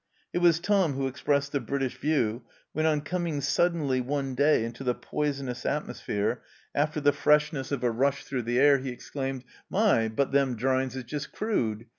It was Tom who expressed the British view when, on coming suddenly one day into the poisonous atmosphere after the freshness of a rush 80 THE CELLAR HOUSE OF PERVYSE through the air, he exclaimed :" My, but them drines is just crude